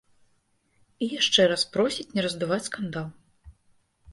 І яшчэ раз просіць не раздуваць скандал.